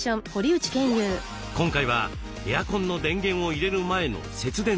今回はエアコンの電源を入れる前の節電対策。